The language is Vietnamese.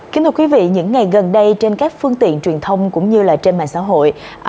kính thưa quý vị những ngày gần đây trên các phương tiện truyền thông cũng như là trên mạng xã hội